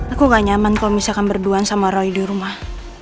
aku gak nyaman kalau misalkan berduaan sama roy di rumah